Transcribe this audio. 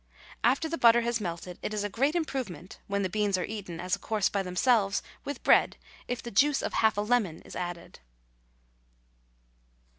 After the butter has melted, it is a great improvement, when the beans are eaten as a course by themselves, with bread, if the juice of half a lemon is added.